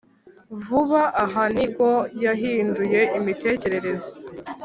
Vuba aha ni bwo yahinduye imitekerereze